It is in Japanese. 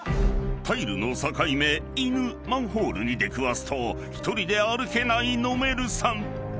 ［タイルの境目犬マンホールに出くわすと１人で歩けないのめるさん］